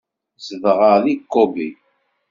Zedɣeɣ di Kobe.